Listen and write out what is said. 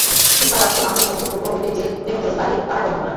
শিক্ষা অর্থে মানবের মধ্যে পূর্ব হইতেই যে-দেবত্ব রহিয়াছে, তাহাই প্রকাশ করা।